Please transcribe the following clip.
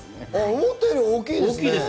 思ったより大きいですね。